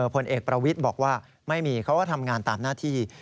ผลเอกประวิทย์บอกว่าไม่มีเขาก็ทำงานตามหน้าที่